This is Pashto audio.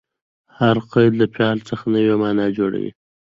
هر قید له فعل څخه نوې مانا جوړوي.